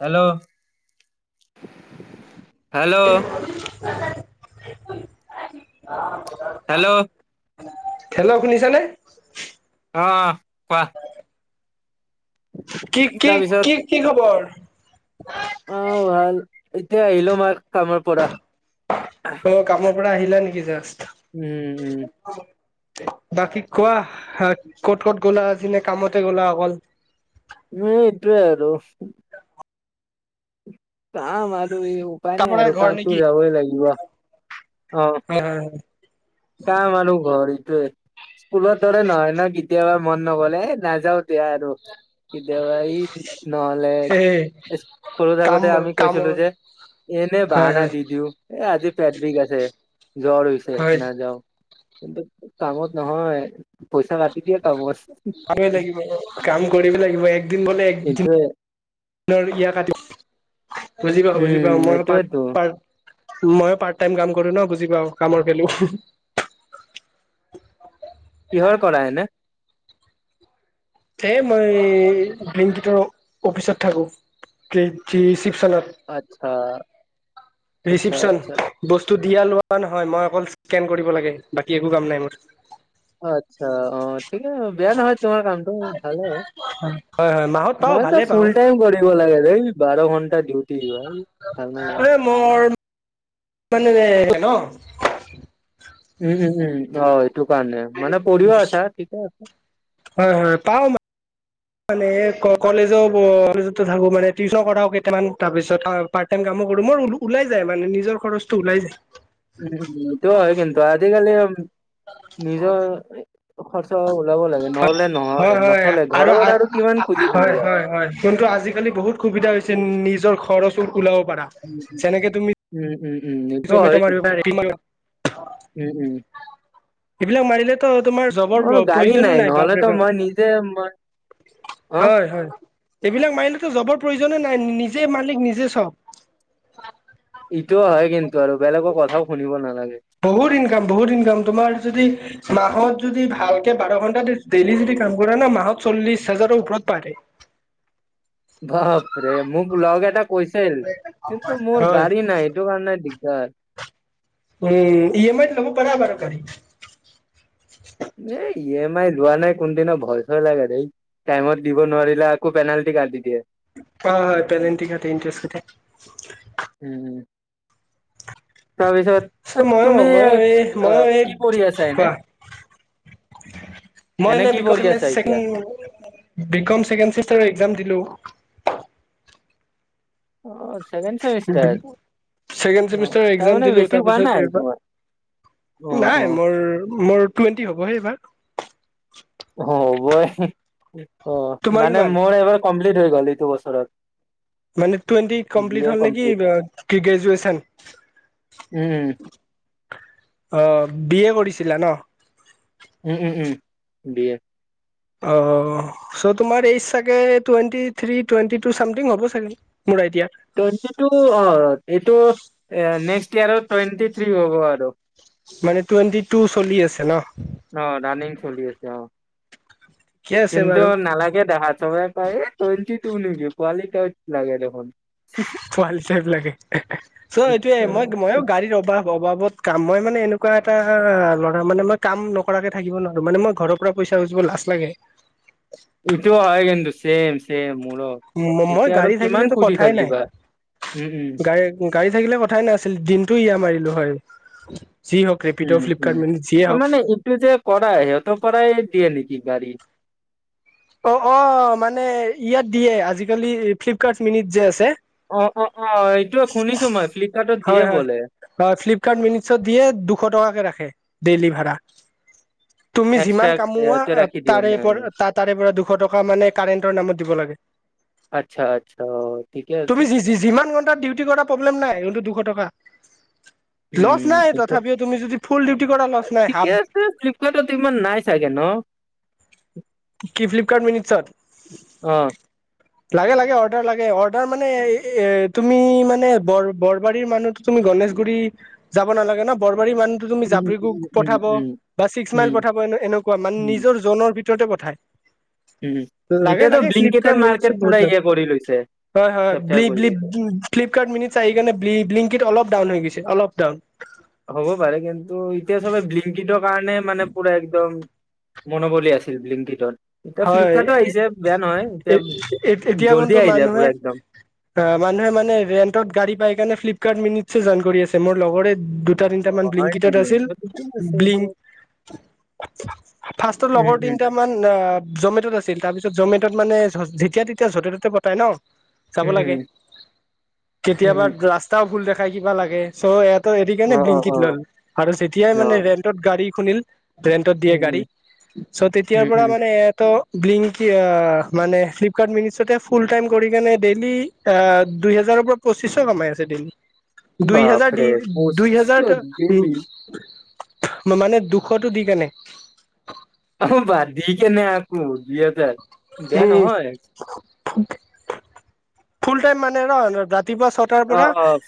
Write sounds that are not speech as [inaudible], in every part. Hello hello? Hello অ [unintelligible] hello, শুনিছা নে? অ, অ, কোৱা। কি, কি, তাৰপিছত কি, কি, খবৰ? আহ, ভাল, এতিয়া আহিলো মাৰ, কামৰ পৰা। অ, কামৰ পৰা আহিলা নেকি? জাষ্ট। উম, উম, বাকী কোৱা, ক'ত, ক'ত, গ'লা আজি নে, কামতে গ'লা অকল। উম, এইটোৱে আৰু। কাম আৰু এইও। ওপাই, তাৰ নাই পৰাই আৰু ঘৰ কামতটো নেকি? যাবই লাগিব। অ, হয় হয় হয় কাম আৰু ঘৰ এইটোয়ে। স্কুলৰ দৰে নহয় ন, কেতিয়াবা মন নগ'লে, এই নাযাওঁ। বিয়া আৰু কেতিয়াবা ই, নহ'লে সেই সৰু থাকো কাম তে, আমি কাম কৈছিলো যে। এনেই হয় বাহানা হয় দি দিওঁ, এই আজি ফেট বিষ আছে, জ্বৰ হৈছে হয়। নাযাওঁ। কিন্তু, কামত নহয়। পইচা কাটি দিয়ে কামত। ভাব লাগিব, কাম কৰিবি লাগিব, একদিন বোলে একদিন। এইটোৱে [inaudible] বুজি পাওঁ, বুজি উম পাওঁ, মই পাৰ, এইটোয়েতো পাৰ মই পাৰ্ট, টাইম কাম কৰো ন, বুজি পাওঁ, কামৰ ভেলো। কিহৰ কৰা এনে? হে, মই বিং, গীটৰ অফিচত থাকো, যি ৰিচিপ আচ্ছা। আচ্ছা চিপশচন। আচ্ছা বস্তু দিয়া, লোৱা নহয়, মই অকল সকেন কৰিব লাগে, বাকী একো কাম নাই, মোৰ। আচ্ছা অ, ঠিকে বেয়া নহয়, তোমাৰ কামটো ভাল হয়। হয় হয় মাহত পাও মইতো, ভালে পাও ফুল টাইম কৰিম। লাগে এই, বাৰ ঘণ্টা ডিউটি, হেই ভাল নালাগে। [unintelligible] উম, উম, উম, অ, সেইটো কাৰণে মানে, পঢ়িয়ে আছা, ঠিকে আছে। হয়, হয়, পাওঁ মানে কলেজো, কলেজতো থাকো মানে, টিউচন কৰাও কেইটামান তাৰপিছত পাৰ্ট, টাইম কামো কৰো, মোৰ ওলাই যায় মানে নিজৰ খৰচটো ওলাই যায়। উম, সটো হয়, কিন্তু আজিকালি, নিজৰ খৰচা, ওলাব লাগে, নহ'লে হয় নহয়, হয় নচলে ঘৰৰ পৰা আৰু কিমান খুজি হয় থাকিবা। হয় হয় কিন্তু আজিকালি, বহুত সুবিধা হৈছে, নিজৰ খৰচ ওলাব পাৰা, উম, যেনেকে তুমি উম, উম, উম, এইটো জমেট' হয় মাৰিব কিন্তু, পাৰা, উম, উম, এইবিলাক মাৰিলেতো, তোমাৰ জবৰ, মোৰ গাড়ী প্ৰয়োজনো নাই, নহ'লেতো মই নিজে মই বাপৰে-বাপ। অ', হয়, হয়, এইবিলাক মাৰিলেতো, জবৰ প্ৰয়োজনে নাই, নিজে মালিক নিজে চ'ব। এইটোও হয় কিন্তু আৰু বেলেগৰ কথাও শুনিব নালাগে। বহুত ইনকাম, বহুত ইনকাম, তোমাৰ যদি। মাহত যদি ভালকে, বাৰ ঘন্টা ডেইলি যদি কাম কৰা ন, মাহত চল্লিশ হাজাৰৰো ওপৰত পাৰে। বাপৰে মোক লগ এটা কৈছিল, কিন্তু মোৰ হয় গাড়ী নাই। সেইটো কাৰনে, দিগদাৰ। উম, ই, এম, আইত, ল'ব পাৰা বাৰু গাড়ী। এ ই এম আই লোৱা নাই কোনদিনা ভয় চয় লাগে দেই। টাইমত দিব নোৱাৰিলে আকৌ পেনাল্টি কাতি দিয়ে। হয় হয় পেলেণ্টি কাতে ইণ্টাৰেষ্ট কাতে। উম উম এই ময়ো তুমি ময়ো এই ময়ো অ', এই কি পঢ়ি আছা এনে? কোৱা মই এনে কি বিকম পঢ়ি আছা চেকেন এতিয়া? বিকম চেকেন চেমিস্তাৰৰ একজাম দিলোঁ। অহ চেকেণ্ড চেমিষ্টাৰ ছেকেণ্ড অ চেমিষ্টাৰৰ তাৰ এক্সাম মানে দিলো বেছি হোৱা তাৰপিছত নাই আহ এইবাৰ তোমাৰ। অ', নাই অ'। মোৰ মোৰ টুৱেণ্টি হ'বহে এইবাৰ। অ হবই অ তোমাৰ মানে কিমান মোৰ এইবাৰ কমপ্লিট হৈ গ'ল এইটো বছৰত। মানে টুৱেণ্টি বি কমপ্লিট এ হ'ল নেকি গ্ৰেজুৱেচন। উম উম অ বি এ কৰিছিলা ন? উম উম উম বি এ। অহ চো' তোমাৰ এইজ চাগে twenty three twenty two something হ'ব চাগে। মোৰ আইদিয়া টুৱেন্টি টু অ এইটো নেক্সট ইয়াৰত টুৱেণ্টি থ্ৰী হ'ব আৰু মানে টুৱেণ্টি টু চলি আছে ন। অ ৰাণিং চলি আছে অ ঠিকে আছে কিন্তু বাৰু নালাগে দেখাত চবে এ‌ টুৱেন্টি টু নেকি পোৱালি টাইপ লাগে দেখোন। পোৱালি টাইপ লাগে চ' এইটোয়ে মই ময়ো গাড়ী ৰবা অবাবত কাম মই মানে এনেকুৱা এটা ল'ৰা মানে মই কাম নকৰাকে থাকিব নোৱাৰো মানে মই ঘৰত পৰা পইচা খূজিব লাজ লাগে। এইটো হয় কিন্তু চেম চেম মোৰো। মই এতিয়া আৰু গাড়ী কিমান থাকিলেতো খুজি কথাই নাই থাকিবা উম উম গাড়ী গাড়ী থাকিলে কথাই নাছিল দিনটো ইয়ে মাৰিলোঁ হয় যি হওঁক উম উম অ মানে এইটো যে কৰাই সিহঁতৰ পৰাই দিয়ে নেকি গাড়ী? অ অ মানে ইয়াত দিয়ে আজিকালি ফ্লিপকাৰ্ট মিনিত যে আছে। অ অ অ এইটো শুনিছোঁ মই ফ্লিপকাৰ্টত দিয়ে হয় হয় বোলে। হয় ফ্লিপকাৰ্ট মিনিছত দিয়ে দুশ টকাকে ৰাখে ডেইলি ভাড়া। তুমি এক্সট্ৰা যিমান কামোৱা ইহঁতে ৰাখি দিয়ে তাৰে নাই। পৰা তাৰে পৰা দুশ টকা মানে কাৰেণ্টৰ নামত দিব লাগে। আচ্ছা আচ্ছা অ ঠিকে আছে। তুমি যিমান ঘণ্টাত ডিউটি কৰা প্ৰব্লেম নাই কিন্তটো দুশ টকা লচ উম, নাই এইটো তথাপিও তুমি যদি ফুল ডিউটি কৰা লচ নাই হাফ এই ফ্লিপকাৰ্টত ইমান নাই চাগে ন? কি ফ্লিপকাৰ্ট মিনিটছত। অ লাগে লাগে অৰ্ডাৰ লাগে অৰ্ডাৰ মানে এ তুমি মানে বৰ বৰবাৰীৰ মানুহটো তুমি গণেশগুৰি যাব নালাগে ন বৰবাৰী মানুহতো তুমি উম, জাপি উম, উম, পঠাব টিক্স মাইল উম, পঠাব এনেকুৱা মানে উম, নিজৰ জনৰ ভিতৰতে পঠায়। উম লাগে এতিয়াতো লাগে ব্লিংকিতে ফ্লিপকাৰ্ট মিনিটছত মাৰ্কেট বহুত পুৰা লাগে ইয়ে কৰি লৈছে। হয় হয় কেপচাৰ কৰি লৈছে। ফ্লিপকাৰ্ট মিনিটছ আহি কানে ব্লি ব্লিংকিত অলপ ডাউন হৈ গৈছে অলপ ডাউন। হ'ব পাৰে কিন্তু এতিয়া চবে ব্লিংকিটোৰ কাৰণে মানে পুৰা একদম মনোবলী আছিল ব্লিংকিতট এতিয়া হয় ফ্লিপকাৰ্টো আহিছে বেয়া নহয় এ এতিয়া এ এতিয়া কোনটো জল্দি আহি যায় মানুহে পুৰা একদম। অ মানুহে মানে ৰেন্টত গাড়ী পাই কাৰণে ফ্লিপকাৰ্ট মিনটছো যইন কৰি আছে মোৰ লগৰে দুটা তিনিটামান অ', হয় ব্লিংকটত নেকি? আছিল ত' ঠিকেই আছে ব্লিং এইটো। ফাৰ্ষ্টত উম, লগৰ উম, তিনিটা মান জমেটত আছিল তাৰ পিছত জমেটত মানে যেতিয়া তেতিয়া য'তে ত'তে পতাই ন। যাব উম, লাগে উম, কেতিয়াবা ৰাস্তাও ভুল দেখাই কিবা লাগে চ' ইয়াত ত এৰি উম, কিনে অ', অ', ব্লিংকিত অ', ল'ল আৰু যেতিয়াই মানে অ', ৰেন্টত গাড়ী শুনিল ৰেন্টত দিয়ে উম, গাড়ী, চ' তেতিয়াৰ উম, উম, পৰা উম, মানে এয়াত ত ব্লিংকি আ মানে ফ্লিপকাৰ্ট মিন ফুল টাইম কৰি কেনে ডেইলি আহ দুই হেজাৰৰ পৰা পঁচিছশ কমাই আছে ডেলি। দুই হেজাৰ দি বাপৰে! দুই হেজাৰ তাৰ ডেইলি উম! মানে দুশতো দি কেনে। অ বা দি কেনে আকৌ দুই হাজাৰ বেয়া উম নহয়। ফুল টাইম মানে ন ৰাতিপুৱা ছটাৰ পৰা। অ', অ',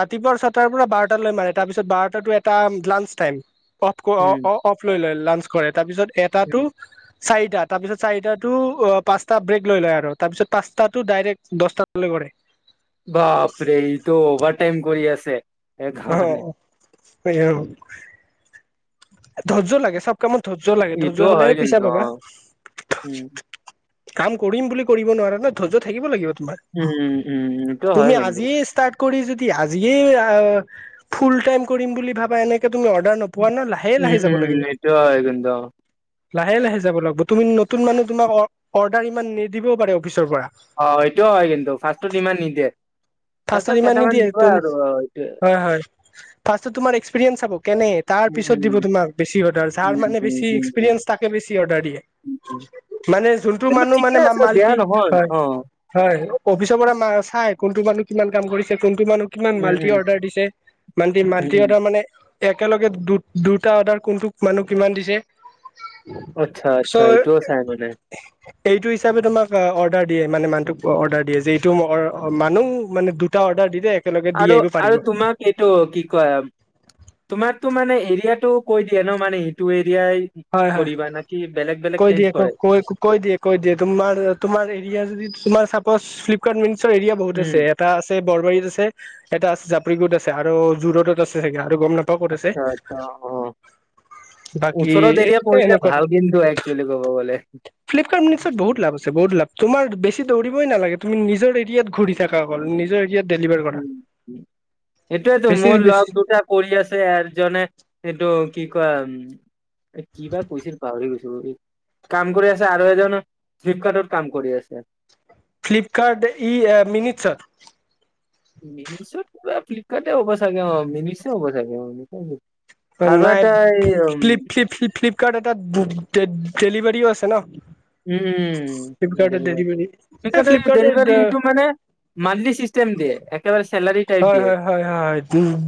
ৰাতিপুৱা ছটাৰ পৰা বাৰটালৈ মাৰে, তাৰপিছত বাৰটাটো এটা লাঞ্চ টাইম। অফ অ উম, অ অফ লৈ লয় লাঞ্চ কৰে তাৰপিছত এটাটো উম, চাৰিটা তাৰপিছত চাৰিটাটো পাঁচটা ব্ৰেক লৈ লয় আৰু তাৰপিছত পাঁচটাটো ডাইৰেক্ দছটা লৈকে কৰে। বাপৰে এইটো অভাৰটাইম কৰি আছে। অহ সেইকাৰণে। এয়াও ধৈৰ্য্য লাগে চব কামত ধৈৰ্য্য লাগে ধৈৰ্য্য এইটোও হয় হলেহে পিছা কিন্তু পাবা। অ', উম, কাম কৰিম বুলি কৰিব নোৱাৰা ন ধৈৰ্য্য থাকিব লাগিব তোমাৰ। উম উম উম সেইটো হয় তুমি কিন্তু। আজিয়ে ষ্টাৰ্ট কৰি যদি আজিয়েই আ ফুল টাইম কৰিম বুলি ভাবা এনেকে তুমি অৰ্ডাৰ নোপোৱা ন লাহে লাহে উম, লাহে যাব উম, লাগিব। এইটোও হয় কিন্তু লাহে লাহে যাব লাগিব তুমি নতুন মানুহ তোমাক অৰ্ডাৰ ইমান নিদিবও পাৰে অফিচৰ পৰা। অ সেইটোয়ো হয় কিন্তু ফাৰ্ষ্টত ইমান নিদিয়ে। ফাৰ্ষ্টত ইমান কেইটামান নিদিয়ে দিব তুমি আৰু অ', এইটোৱে। হয় হয় ফাৰ্ষ্টত তোমাৰ এক্সপিৰিয়েঞ্চ চাব কেনে তাৰ উম, পিছত দিব উম, তোমাক বেছি অৰ্ডাৰ যাৰ উম, মানে উম, উম, বেছি উম, এক্সপিৰিয়েঞ্চ তাকে বেছি অৰ্ডাৰ দিয়ে। উম, উম। মানে যোনটো কিন্তু মানুহ ঠিকে মানে আছে বেয়া মাল্টি নহয় অ, হয় হয় অফিচৰ পৰা ম চাই কোনটো মানুহ কিমান কাম কৰিছে কোনটো মানুহ কিমান উম, মাল্টি উম, অৰ্ডাৰ দিছে, মাল্টি উম, মাল্টি উম, অৰ্ডাৰ মানে একেলগে দু দুটা অৰ্ডাৰ কোনটো মানুহ কিমান দিছে। আচ্ছা, আচ্ছা চ এইটোও চাই মানে এইটো হিচাপে তোমাক অৰ্ডাৰ দিয়ে মানে মানুহটোক অৰ্ডাৰ দিয়ে যে এইটো অ মানুহ মানে দুটা অৰ্ডাৰ দিলে একেলগে দি আৰু আহিব আৰু পাৰিব। তোমাক এইটো কি কয় তোমাকতো মানে এৰিয়াটো কৈ দিয়ে ন মানে এইটো এৰিয়াই হয় হয় কৰিবা নাকি বেলেগ বেলেগ কৈ চেঞ্জ দিয়ে ক কৰে? কৈ কৈ দিয়ে কৈ দিয়ে তোমাৰ তোমাৰ এৰিয়া যদি তোমাৰ চাপজ ফ্লিপকাৰ্ট মিনছৰ এৰিয়া বহুত আছে উম, ইয়াত। এটা আছে বৰবাৰীত আছে, এটা আছে জাপ্ৰিগুত আছে আৰু যোৰতত আছে চাগে আৰু গম নাপ আচ্ছা আচ্ছা আহ। বাকী ওচৰত এ এৰিয়া পৰিলে এনেকুৱা ভাল কিন্তু একচুৱেলি কব গ'লে। ফ্লিপকাৰ্ট মিছ'ত বহুত লাভ আছে, বহুত লাভ, তোমাৰ বেছি দৌৰিবই নালাগে, তুমি নিজৰ এৰিয়াত ঘূৰি থাকা অকল নিজৰ এৰিয়াত। ডেলিভাৰ কৰা উম! সেইটোৱেতো বেছি মোৰ বেছি লগ দুটাক কৰি আছে এজনে এইটো কি কয়, উম' কি বা কৈছিল পাহৰি গৈছোঁ। কাম কৰি আছে আৰু এজন ফ্লিপকাৰ্টত কাম কৰি আছে। ফ্লিপকাৰ্ট ই এ মিনিটচত। মিনিছত পুৰা ফ্লিপকাৰ্টে হ'ব চাগে অ, মিনিচে হ'ব চাগে অ' আৰু নাই, এটা এই উম প্লিপ-ফ্লিপ-ফ্লিপ-ফ্লিপ কাৰত এটা ডেত-ডেত-ডেলিভাৰীও আছে ন? উম', ডেলিভাৰী, এই সেইকাৰণে ফ্লিপকাৰ্টৰ ডেলিভাৰী এইটো মানে মান্থলি চিষ্টেম দিয়ে, একেবাৰে চেলাৰি হয়, হয়। হয়', হয়,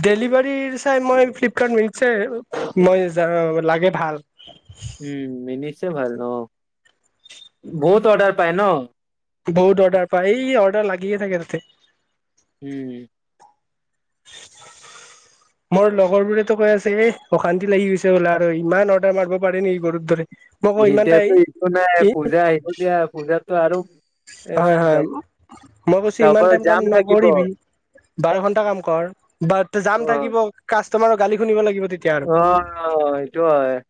ডেলিভাৰী চাই মই ফ্লিপকাৰ্ট মিনিচে মই যা লাগে ভাল। উম', মিনিটছয়ে ভাল অ, বহুত অৰ্ডাৰ পায় ন? বহুত অৰ্ডাৰ পায়, এই অৰ্ডাৰ লাগিয়ে থাকে তাতে উম। [unintelligible] মোৰ লগৰ বোৰেতো কৈ আছে এ অশান্তি লাগি গৈছে বোলা আৰু ইমান অৰ্ডাৰ মাৰিব পাৰি নেকি গৰুৰ দৰে। মই কওঁ ইমান এতিয়া টাই টো একো নাই পূজা আহিব দিয়া পূজাতো আৰু হয় হয় যাব। মই কৈছো তাৰ ইমান পৰা টাইম কাম জাম থাকিব অ নকৰিবি। বাৰ ঘন্টা কাম কৰ বা জাম থাকিব কাষ্টমাৰৰ গালি শুনিব লাগিব তে অ', সেইটো হয়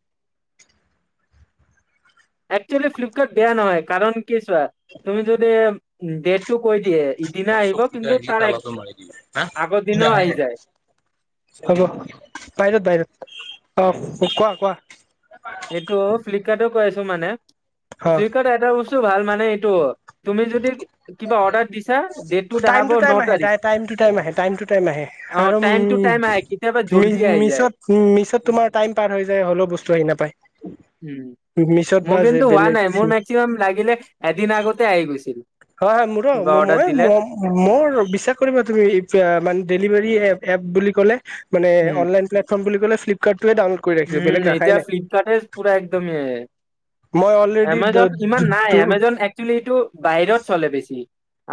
একচুৱেলি ফ্লিপকাৰ্ট বেয়া নহয়, কাৰণ কিয় ছোৱা তুমি যদি ডেট টো কৈ দিয়ে, ইদিনা আহিব কিন্তু তাৰ আগ-আগৰ দিনাও আহি যায়। হ'ব বাহিৰত-বাহিৰত, অ' কোৱা-কোৱা এইটো ফ্লিপকাৰ্টও কৈ আছোঁ মানে, অ ফ্লিপকাৰ্টৰ এটা বস্তু ভাল মানে এইটো, তুমি যদি কিবা অৰ্ডাৰ দিছা, ডেট টো টাইম দেখাব টু টাইম ন আহে তাৰিখ, টাই টাইম টু টাইম আহে টাইম টু টাইম আহে অ' আৰু উম টাইম টো টাইম আহে কেতিয়াবা জল্দি আহি যায়। উম' মিছ'ত তোমাৰ টাইম পাৰ হৈ যায়, হলেও বস্তু আহি নাপায়। উম', মিছত বা মোৰ কিন্তু হোৱা বেলেগ নাই, মোৰ মেক্সিমাম লাগিলে এদিন আগতে আহি গৈছিল। হয়-হয় মোৰো, কিবা অৰ্ডাৰ ম-মই দিলে ম মোৰ বিশ্বাস কৰিবা তুমি, এ' মানে ডেলিভাৰী এপ বুলি কলে মানে উম অনলাই প্লেটফৰ্ম বুলি ক'লে ফ্লিপকাৰ্টটোৱে ডাউনল উম', এতিয়া ফ্লিপকাৰ্টে পুৰা একদমেই মই এমাজন ইমান নাই, অলৰেডি এমেজন এক এক্সুৱেলি এইটো বাহিৰত চলে বেছি,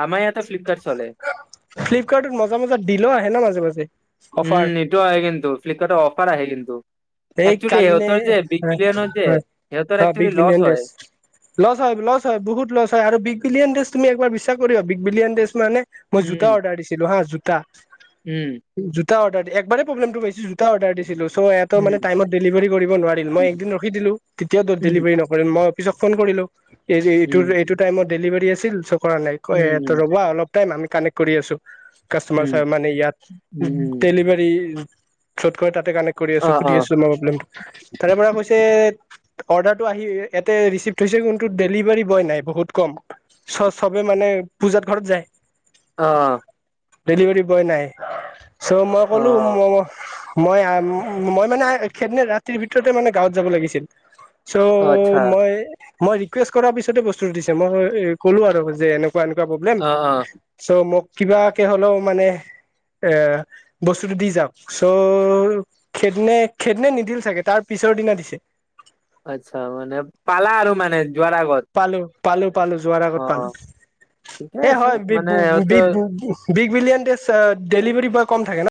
আমাৰ ইয়াতে ফ্লিপকাৰ্ত ফ্লিপকাৰ্টত মজা মজা দিলো আহে ন, মাজে-মাজে উম অফাৰ এইটো আহে কিন্তু, ফ্লিপকাৰ্টত অফাৰ আহে কিন্তু এই একচুৱেলি কালি নে, সিহঁতৰ যে বিগ হয়', বিলিয়নৰ যে সিহঁতৰ হয়, actually big loss billion days হয় লছ হয়-লছ হয়, বহুত লছ হয়, আৰু বিগ বিলিয়ন ডেজ তুমি একবাৰ বিশ্বাস কৰিবা, বিগ বিলিয়ন ডেজ মানে মই জোতা উম অৰ্ডাৰ দিছিলো হা, জোতা উম'। জোতা অৰ্ডাৰ দি একবাৰে প্ৰব্লেমটো পাইছো, জোত অৰ্ডাৰ দিছিলো চ' এ তো উম মানে টাইমত ডেলিভাৰী কৰিব নোৱাৰিল, মই একদিন ৰখি দিলো, তেতিয়াও উম উম ড-ডেলিভাৰী নকৰিল, মই অফিচত ফোন কৰিলো উম এই-এইটো-এইটো টাইমত ডেলিভাৰী আছিল, চ' কৰা নাই ক উম ৰ'বা অলপ আমি কানেক্ট কৰি আছো, কাষ্টমাৰ উম চাই মানে ইয়াত, উম উম ডেলিভাৰী চত কৈ তাতে কানেক্ট কৰি অ আছোঁ, অ সুধি আছোঁ মই প্ৰবলেমটো, তাৰে পৰা কৈছে অৰ্ডাৰটো আহি ইয়াতে ৰিচিভ হৈছে কিন্তু ডেলিভাৰী বয় নাই, বহুত কম চ-চবে মানে পূজাত ঘৰত যায়। অ'। ডেলিভাৰী বয় নাই চ' মই অ কলো ম ম মই আ মই মানে সেইদিনা ৰাতিৰ ভিতৰতে মানে গাঁৱত যাব লাগিছিল চ' অ আচ্ছা মই মই ৰিকুৱেষ্ট কৰাৰ পিছতে বস্তুটো দিছে মই ক'লো আৰু যে এনেকুৱা এনেকুৱা প্ৰব্লেম অ অ চ' মোক কিবাকে হলেও মানে এ বস্তুটো দি যাওক চ' খেদনে খেদনে নিদিল চাগে তাৰ পিছৰ দিনা দিছে আচ্ছা মানে পালা আৰু মানে যোৱাৰ আগত পালো পালো পালো যোৱাৰ অ আগত অ পালো ঠিকে এই আছে হয় বি মানে বু বি সিহঁতৰ বু big billion days delivery boy কম থাকে ন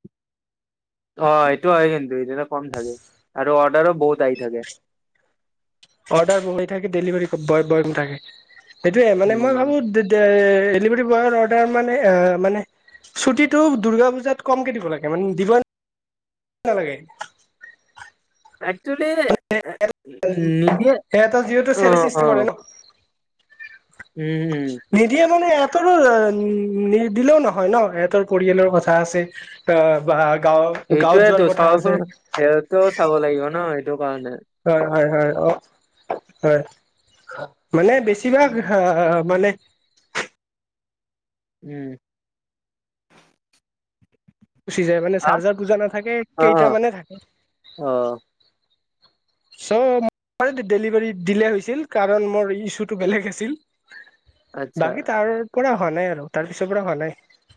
অ এইটো হয় কিন্তু এইটোত কম থাকে আৰু অৰ্ডাৰো বহুত আহি থাকে অৰ্ডাৰ বহি থাকে ডেলিভাৰী ব ব বয় নাথাকে সেইটোয়ে মানে মই ভাবো ডেলিভাৰী বয়ৰ অৰ্ডাৰ মানে অ মানে ছুটীটো দুৰ্গা পূজাত কমকে দিব লাগে মানে যিমান নালাগে একচুৱেলি উ নিদিয়ে এটা যিহেতু অ চেল চিষ্টেম অ কৰে ন উম হুম নিদিয়ে মানে ইহঁতৰো নিদিলেও নহয় ন ইহতৰ পৰিয়ালৰ কথা আছে। এ বা গাঁও গাঁৱত যোৱাৰ সেইটোয়েতো কথা চাওঁ আছে চোন সিহঁতেও চাব লাগিব ন সেইটো কাৰণে হয় হয় হয় অ হয় মানে বেছিভাগ আহ মানে উম গুচি যায় মানে হা চাৰ্জাৰ পূজা নাথাকে কেইটা অ', মানে থাকে অ', চব ডেলিভাৰী দিলে হৈছিল কাৰণ মোৰ ইছুটো বেলেগ আছিল আচ্ছা। বাকী তাৰ পৰা হোৱা নাই আৰু তাৰ পিছৰ পৰা হোৱা নাই